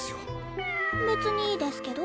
別にいいですけど？